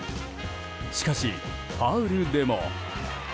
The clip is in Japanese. しかし、ファウルでも。